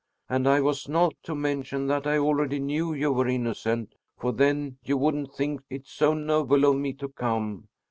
And I was not to mention that I already knew you were innocent, for then you wouldn't think it so noble of me to come.